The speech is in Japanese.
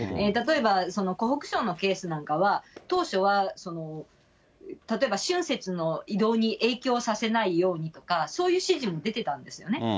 例えば湖北省のケースなんかは、当初は例えば春節の移動に影響させないようにとか、そういう指示も出てたんですね。